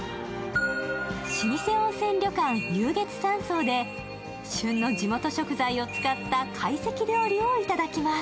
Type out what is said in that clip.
老舗温泉旅館・游月山荘で旬の地元食材を使った懐石料理をいただきます。